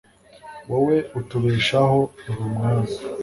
wowe utubeshaho, uri umwami